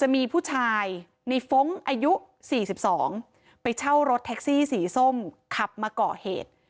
จะมีผู้ชายในฟงค์อายุ๔๒ไปเช่ารถแท็กซี่สีส้มขับมาก่อเหตุ